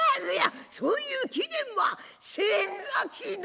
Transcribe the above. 「そういう貴殿は千崎殿」。